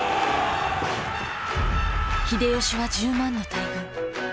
秀吉は１０万の大軍。